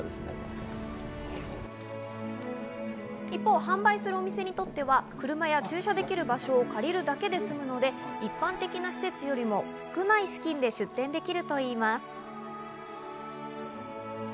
一方、販売するお店にとっては車や駐車できる場所を借りるだけで済むので、一般的な施設よりも少ない資金で出店できるといいます。